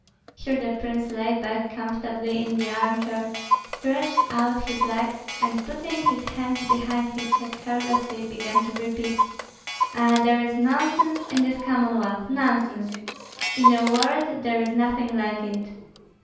Here the prince lay back comfortably in the armchair, stretched out his legs, and putting his hands behind his head carelessly, began to repeat, "Ah, there is nonsense in this Commonwealth, nonsense! In the world there is nothing like it!"